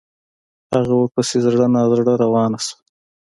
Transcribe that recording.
هغه ورپسې زړه نا زړه روانه شوه.